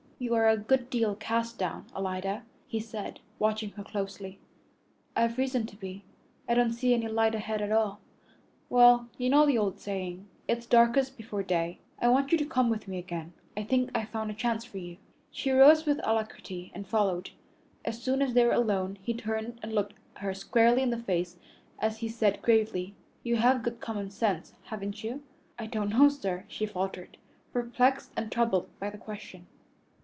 "You are a good deal cast down, Alida," he said, watching her closely. "I've reason to be. I don't see any light ahead at all." "Well, you know the old saying, 'It's darkest before day.' I want you to come with me again. I think I've found a chance for you." She rose with alacrity and followed. As soon as they were alone, he turned and looked her squarely in the face as he said gravely, "You have good common sense, haven't you?" "I don't know, sir," she faltered, perplexed and troubled by the question.